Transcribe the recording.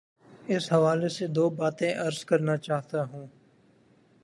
اس حوالے سے دو باتیں عرض کرنا چاہتا ہوں۔